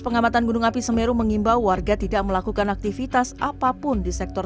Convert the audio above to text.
pengamatan gunung api semeru mengimbau warga tidak melakukan aktivitas apapun di sektor